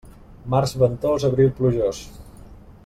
Març ventós, abril plujós.